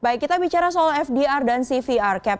baik kita bicara soal fdr dan cvr cap